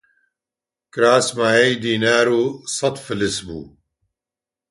کراس مایەی دینار و سەت فلس بوو